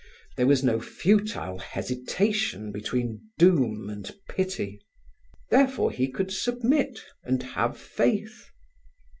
There was no futile hesitation between doom and pity. Therefore, he could submit and have faith.